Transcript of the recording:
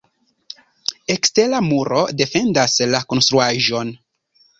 Ekstera muro defendas la konstruaĵon.